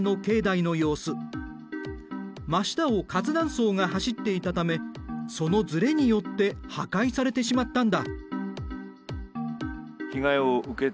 真下を活断層が走っていたためそのずれによって破壊されてしまったんだ。